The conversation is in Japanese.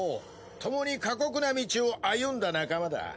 共に過酷な道を歩んだ仲間だ。